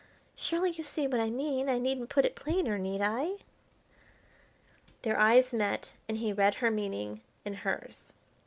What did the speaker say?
Surely you see what I mean, I needn't put it plainer, need I?" Their eyes met, and he read her meaning in hers.